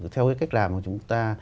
theo cái cách làm của chúng ta